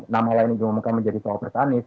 nama lain yang diumumkan menjadi cawapres anies